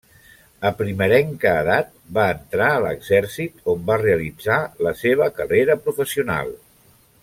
A primerenca edat va entrar a l'Exèrcit, on va realitzar la seva carrera professional.